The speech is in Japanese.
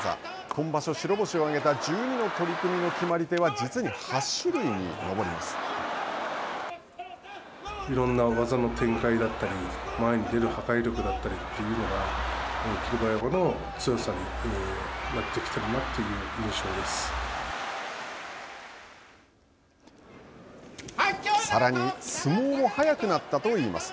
今場所、白星を挙げた１２の取組の決まり手は実に８種類に上りまいろんな技の展開だったり、前に出る破壊力だったりというのが霧馬山の強さになってきているなさらに相撲も早くなったといいます。